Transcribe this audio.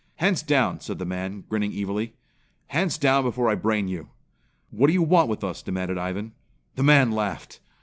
"Hands down," said the man, grinning evilly. "Hands down before I brain you!" "What do you want with us?" demanded Ivan. The man laughed.